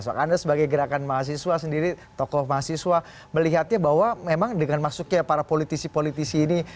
anda sebagai gerakan mahasiswa sendiri tokoh mahasiswa melihatnya bahwa memang dengan masuknya para politisi politisi ini